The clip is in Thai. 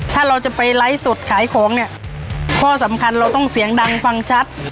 ถ้าเราจะไปไลฟ์สดขายของเนี่ยข้อสำคัญเราต้องเสียงดังฟังชัด